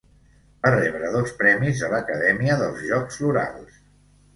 Va rebre dos premis de l'Acadèmia dels Jocs Florals.